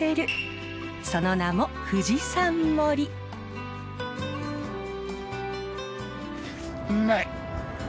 その名もうまい！